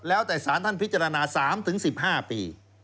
แล้วแต่สารท่านพิจารณา๓๑๕ปี